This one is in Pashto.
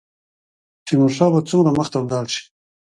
تیمورشاه به څومره مخته ولاړ شي.